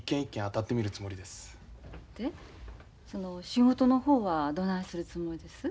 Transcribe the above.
でその仕事の方はどないするつもりです？